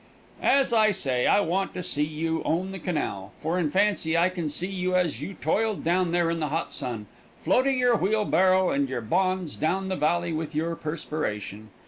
As I say, I want to see you own the canal, for in fancy I can see you as you toiled down there in the hot sun, floating your wheelbarrow and your bonds down the valley with your perspiration.